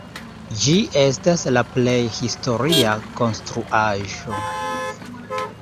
Ĝi estas la plej historia konstruaĵo.